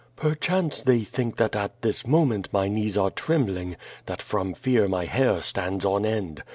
"Perchance they think that at this moment my knees are trembling, that from fear my hair stands on end.